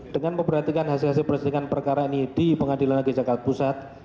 dengan memperhatikan hasil hasil persidangan perkara ini di pengadilan negeri jakarta pusat